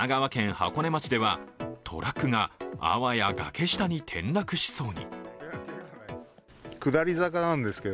箱根町ではトラックがあわやがけ下に転落しそうに。